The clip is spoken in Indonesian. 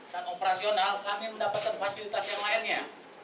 dan operasional kami mendapatkan fasilitas yang lainnya